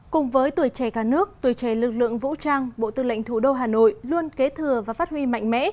cùng với tuổi trẻ cả nước tuổi trẻ lực lượng vũ trang bộ tư lệnh thủ đô hà nội luôn kế thừa và phát huy mạnh mẽ